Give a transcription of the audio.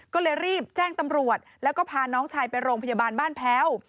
ก็เลยรีบแจ้งตำรวจแล้วก็พาน้องชายไปโรงพยาบาลบ้านแพ้ว